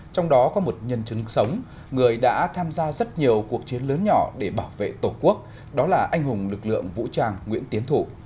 trong đó có một nhân chứng sống người đã tham gia rất nhiều cuộc chiến lớn nhỏ để bảo vệ tổ quốc đó là anh hùng lực lượng vũ trang nguyễn tiến thủ